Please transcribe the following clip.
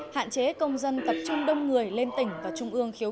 hạn chế công dân tập trung đông người lên tỉnh và trung ương